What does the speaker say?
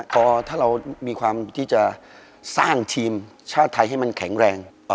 พอถ้าเรามีความที่จะสร้างทีมชาติไทยให้มันแข็งแรง